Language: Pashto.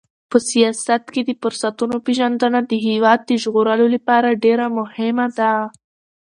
په سیاست کې د فرصتونو پیژندنه د هېواد د ژغورلو لپاره ډېره مهمه ده.